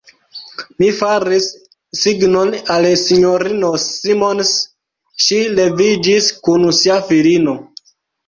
Mi faris signon al S-ino Simons: ŝi leviĝis kun sia filino.